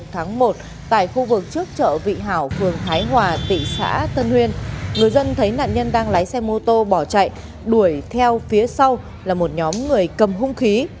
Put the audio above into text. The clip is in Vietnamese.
trong khu vực ngày một tháng một tại khu vực trước chợ vị hảo phường thái hòa thị xã tân nguyên người dân thấy nạn nhân đang lái xe mô tô bỏ chạy đuổi theo phía sau là một nhóm người cầm hung khí